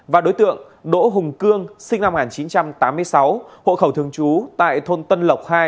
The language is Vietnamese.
và đối tượng đỗ hùng cương sinh năm một nghìn chín trăm tám mươi sáu hộ khẩu thường trú tại thôn tân lộc hai